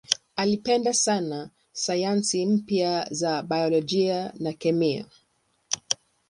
Alipenda sana sayansi mpya za biolojia na kemia.